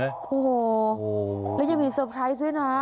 โอ้โหแล้วยังมีเซอร์ไพรส์ด้วยนะ